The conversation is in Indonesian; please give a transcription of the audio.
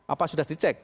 apa sudah dicek